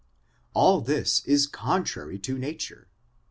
All this is contrary to nature.